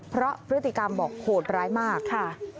เพราะพฤติกรรมบอกโหดร้ายมากค่ะ